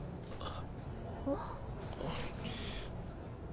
あっ。